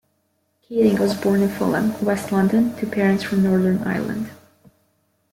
Keating was born in Fulham, west London, to parents from Northern Ireland.